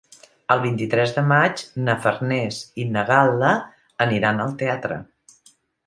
El vint-i-tres de maig na Farners i na Gal·la aniran al teatre.